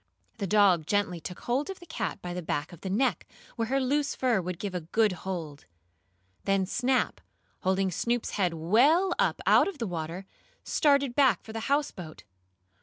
The dog gently took hold of the cat by the back of the neck, where her loose fur would give a good hold. Then Snap, holding Snoop's head well up out of the water, started back for the houseboat.